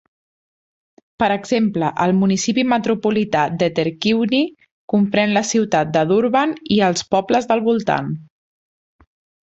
Per exemple, el municipi metropolità d'eThekwini comprèn la ciutat de Durban i els pobles del voltant.